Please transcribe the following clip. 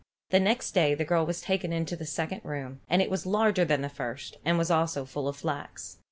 The next day the girl was taken into the second room, and it was larger than the first and was also full of flax.